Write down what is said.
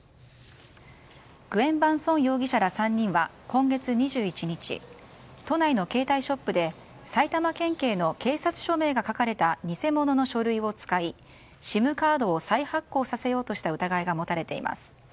グエン・バン・ソン容疑者ら３人は、今月２１日都内の携帯ショップで埼玉県警の警察署名が書かれた偽物の書類を使いＳＩＭカードを再発行させようとした疑いが持たれています。